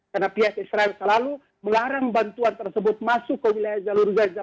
karena pihak israel selalu melarang bantuan tersebut masuk ke wilayah jalur gaza